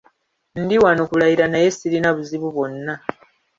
Ndi wano kulayira naye sirina buzibu bwonna.